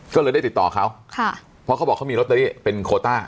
ก็เลยได้ติดต่อเขาค่ะเพราะเขาบอกเขามีลอตเตอรี่เป็นโคต้า